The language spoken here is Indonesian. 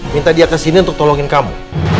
minta dia kesini untuk tolongin kamu